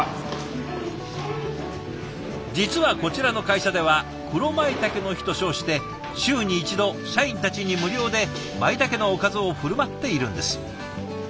実はこちらの会社では「黒舞茸の日」と称して週に１度社員たちに無料でまいたけのおかずを振る舞っているんです。